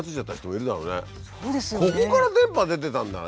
「ここから電波出てたんだ！